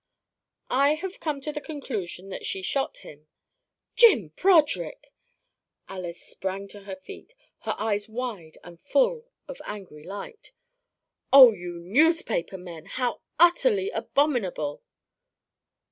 "I have come to the conclusion that she shot him " "Jim Broderick!" Alys sprang to her feet, her eyes wide and full of angry light. "Oh, you newspaper men! How utterly abominable!"